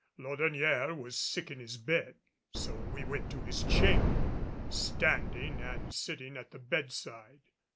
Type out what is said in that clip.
Laudonnière was sick in his bed, so we went to his chamber, standing and sitting at the bedside.